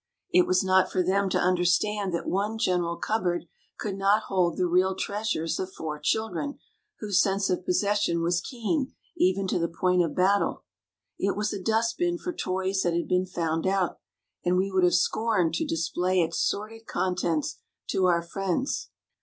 It was not for them to understand that one general cupboard could not hold the real treasures of four children, whose sense of possession was keen even to the point of battle. It was a dustbin for toys that had been found out, and we would have scorned to display its sordid contents to our friends.